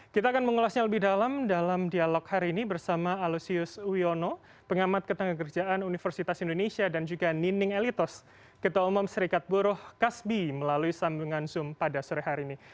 kita akan mengulasnya lebih dalam dalam dialog hari ini bersama alosius wiono pengamat ketenggerjaan universitas indonesia dan juga nining elitos ketua umum serikat buruh kasbi melalui sambungan zoom pada sore hari ini